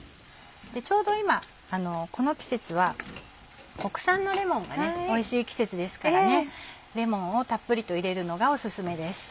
ちょうど今この季節は国産のレモンがおいしい季節ですからねレモンをたっぷりと入れるのがお勧めです。